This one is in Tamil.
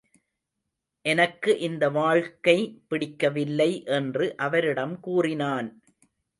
எனக்கு இந்த வாழ்க்கை பிடிக்கவில்லை என்று அவரிடம் கூறினான்.